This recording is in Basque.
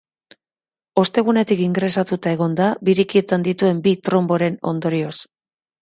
Ostegunetik ingrestauta egon da birikietan dituen bi tronboren ondorioz.